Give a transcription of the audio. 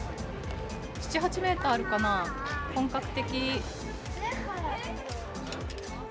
７８ｍあるかな、本格的。